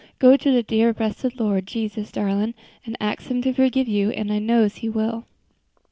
Go to de dear, bressed Lord Jesus, darlin', an' ax Him to forgive you, an' I knows He will."